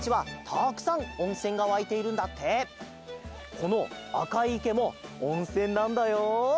このあかいいけもおんせんなんだよ。